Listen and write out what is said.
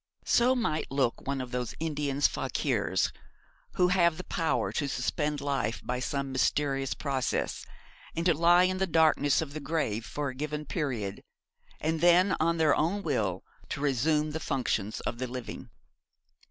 So might look one of those Indian Fakirs who have the power to suspend life by some mysterious process, and to lie in the darkness of the grave for a given period, and then at their own will to resume the functions of the living.